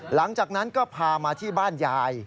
หลังจากนั้นก็พามาที่บ้านยาย